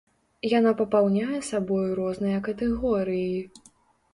Яно папаўняе сабою розныя катэгорыі.